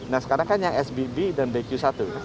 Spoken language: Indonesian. nah sekarang kan yang sbb dan bqc